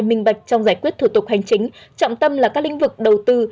minh bạch trong giải quyết thủ tục hành chính trọng tâm là các lĩnh vực đầu tư